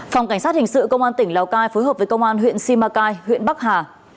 phòng cảnh sát hình sự công an tỉnh lào cai phối hợp với công an huyện simacai huyện bắc hà